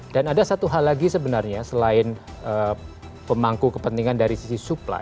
dan ada satu hal lagi sebenarnya selain pemangku kepentingan dari sisi supply